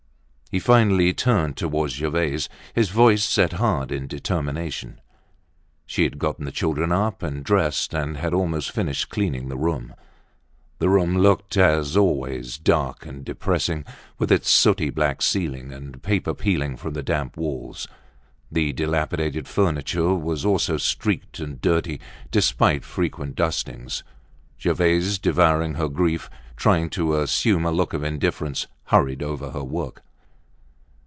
He finally turned toward Gervaise, his face set hard in determination. She had gotten the children up and dressed and had almost finished cleaning the room. The room looked, as always, dark and depressing with its sooty black ceiling and paper peeling from the damp walls. The dilapidated furniture was always streaked and dirty despite frequent dustings. Gervaise, devouring her grief, trying to assume a look of indifference, hurried over her work.